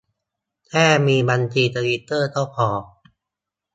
แค่มีบัญชีทวิตเตอร์ก็พอ